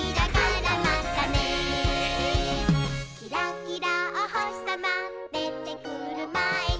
「キラキラおほしさまでてくるまえに」